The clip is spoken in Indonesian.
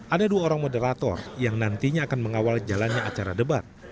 ada dua orang moderator yang nantinya akan mengawal jalannya acara debat